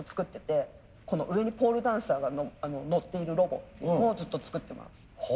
この上にポールダンサーが乗っているロボをずっと作ってます。